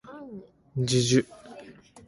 じゅじゅ